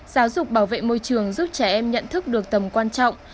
giáo dục bảo vệ môi trường giúp trẻ em nhận thức được tầm quan trọng